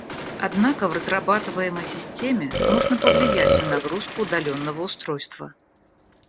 Однако в разрабатываемой системе можно повлиять на нагрузку удаленного устройства